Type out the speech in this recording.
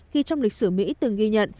khi trong lịch sử mỹ từng ghi nhận